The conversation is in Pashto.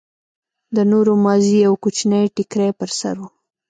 د نورو مازې يو کوچنى ټيکرى پر سر و.